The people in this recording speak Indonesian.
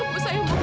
belum datang juga